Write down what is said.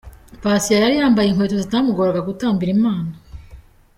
Patient yari yambaye inkweto zitamugoraga gutambira Imana.